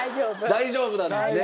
大丈夫なんですね？